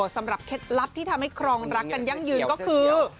เคล็ดลับที่ทำให้ครองรักกันยั่งยืนก็คือ